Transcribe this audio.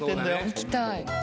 行きたい。